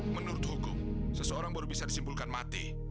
menurut hukum seseorang baru bisa disimpulkan mati